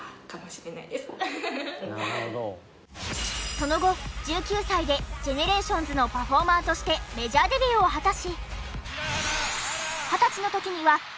その後１９歳でＧＥＮＥＲＡＴＩＯＮＳのパフォーマーとしてメジャーデビューを果たし。